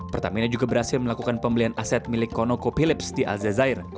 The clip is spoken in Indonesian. pertamina juga berhasil melakukan pembelian aset milik konoko philips di al zaera